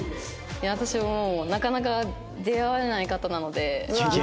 私ももうなかなか出会わない方なので。